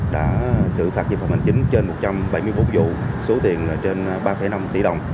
đã xử phạt dịch vụ hành chính trên một trăm bảy mươi bốn vụ số tiền là trên ba năm tỷ đồng